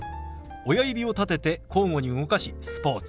親指を立てて交互に動かし「スポーツ」。